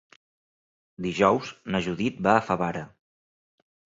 Dijous na Judit va a Favara.